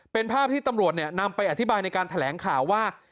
เป็นภาพที่ตำรวจนำไปอธิบายในการแถลงข่าวว่า